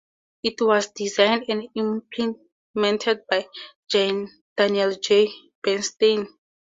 It was designed and implemented by Daniel J. Bernstein.